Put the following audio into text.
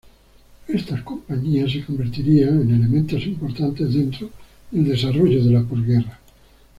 Estas compañías se convertirían en elementos importantes dentro del desarrollo de la posguerra.